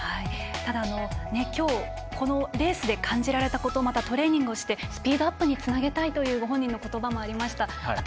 ただ、今日このレースで感じられたことトレーニングをしてスピードアップにつなげたいというご本人の言葉もありました。